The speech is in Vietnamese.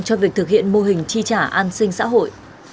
cho việc thực hiện mô hình tri trả an sinh xã hội